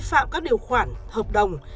phạm các điều khoản hợp đồng